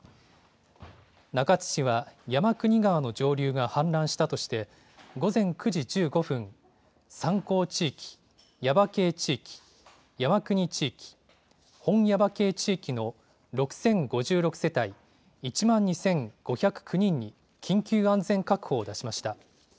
中津市は山国川の上流が氾濫したとして、午前９時１５分、三光地域、耶馬渓地域、山国地域、本耶馬渓地域の６０５６世帯１万２５０９人に緊急安全確保を出しました。